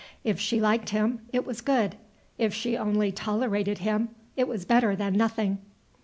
If she liked him, it was good; if she only tolerated him, it was better than nothing.